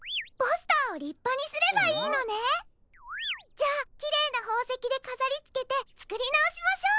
じゃあきれいなほうせきでかざりつけてつくりなおしましょう！